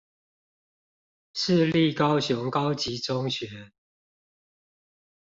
市立高雄高級中學